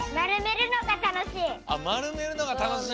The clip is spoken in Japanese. まるめるのがたのしい！